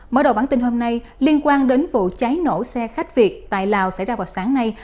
mở đầu bản tin hôm nay liên quan đến vụ cháy nổ xe khách việt tại lào xảy ra vào sáng nay